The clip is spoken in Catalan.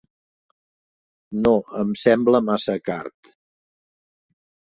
No, em sembla massa car.